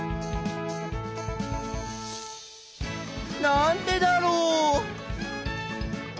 なんでだろう？